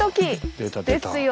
出た出た。